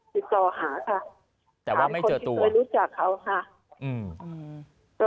ติดต่อหาค่ะแต่ว่าไม่เจอตัวหาคนที่เคยรู้จักเขาค่ะ